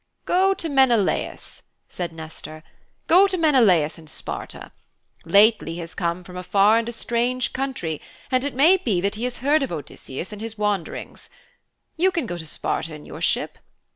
'Go to Menelaus,' said Nestor. 'Go to Menelaus in Sparta. Lately he has come from a far and a strange country and it may be that he has heard of Odysseus in his wanderings. You can go to Sparta in your ship.